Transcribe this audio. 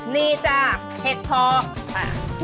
นี่จ้ะเผ็ดพอ